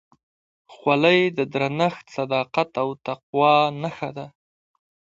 خولۍ د درنښت، صداقت او تقوا نښه ده.